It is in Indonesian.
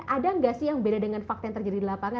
ada nggak sih yang beda dengan fakta yang terjadi di lapangan